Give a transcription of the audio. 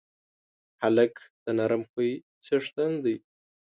هلک د نرم خوی څښتن دی.